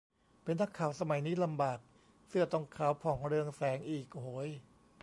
เป็นนักข่าวสมัยนี้ลำบาก เสื้อต้องขาวผ่องเรืองแสงอีก โหย